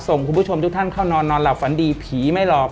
คุณผู้ชมทุกท่านเข้านอนนอนหลับฝันดีผีไม่หลอก